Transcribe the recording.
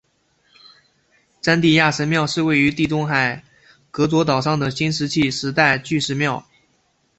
詹蒂亚神庙是位于地中海戈佐岛上的新石器时代巨石庙。